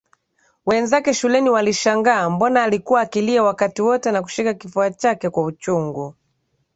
Wenzake shuleni walishangaa mbona alikuwa akilia wakati wote na kushika kifua chake kwa uchungu